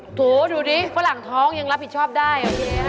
โอ้โฮดูดิเพราะหลังท้องยังรับผิดชอบได้